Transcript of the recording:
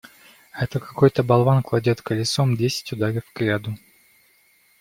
Это какой-то болван кладет колесом десять ударов кряду.